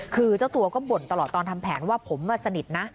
คือเจ้าตัวก็บ่นตลอดตอนทำแผนว่าผมสนิทนะ